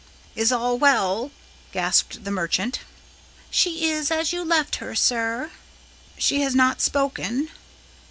"Is all well?" gasped the merchant. "She is as you left her, sir." "She has not spoken?"